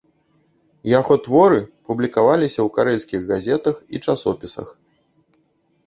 Яго творы публікаваліся ў карэльскіх газетах і часопісах.